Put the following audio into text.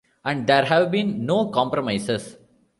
And there have been no compromises.